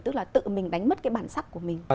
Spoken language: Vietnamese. tức là tự mình đánh mất cái bản sắc của mình